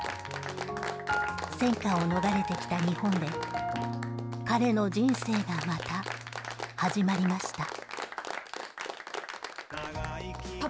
戦火を逃れてきた日本で彼の人生がまた始まりました。